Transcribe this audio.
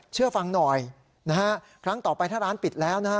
เชื่อฟังหน่อยนะฮะครั้งต่อไปถ้าร้านปิดแล้วนะฮะ